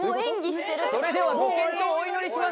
「それではご健闘をお祈りします」？